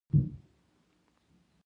او موټر ساېکلې مخ پۀ پورته تللې ـ